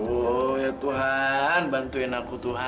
oh ya tuhan bantuin aku tuhan